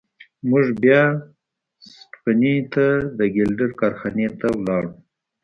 موږ بیا سټپني ته د ګیلډر کارخانې ته لاړو.